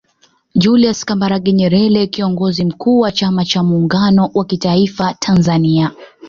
Julius Kambarage Nyerere Kiongozi Mkuu wa chama cha Muungano wa kitaifa Tanzania